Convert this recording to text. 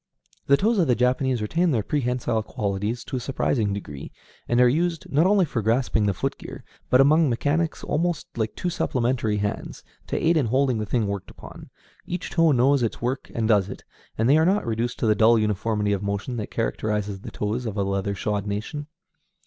The toes of the Japanese retain their prehensile qualities to a surprising degree, and are used, not only for grasping the foot gear, but among mechanics almost like two supplementary hands, to aid in holding the thing worked upon. Each toe knows its work and does it, and they are not reduced to the dull uniformity of motion that characterizes the toes of a leather shod nation.